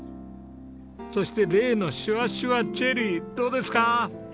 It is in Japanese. そして例のシュワシュワチェリーどうですか？